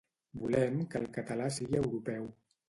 Volem que el català sigui Europeu.